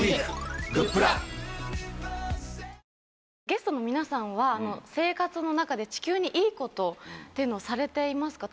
ゲストの皆さんは生活の中で地球にいいことっていうのをされていますか？